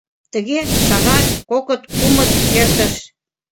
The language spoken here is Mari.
Тыге, шагат, коктыт, кумыт эртыш.